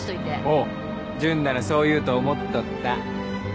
おう純ならそう言うと思っとった。